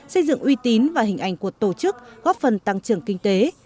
xây dựng uy tín và hình ảnh của tổ chức góp phần tăng trưởng kinh tế